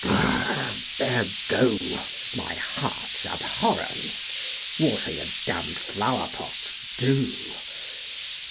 Gr r r there go, my heart's abhorrence! Water your damned flower pots, do!